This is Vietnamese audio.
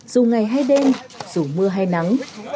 dù ngày hay đêm dù mưa hay nắng